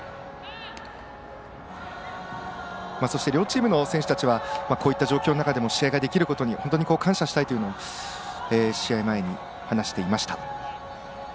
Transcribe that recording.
そして、両チームの選手たちはこういった状況の中でも試合ができることに本当に感謝したいと試合前に話していました。